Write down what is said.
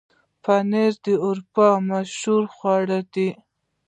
پنېر د اروپا مشهوره خواړه ده.